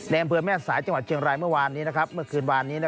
ในแอมเฟือแม่นสายจังหวัดเชียงรายเมื่อวานนี้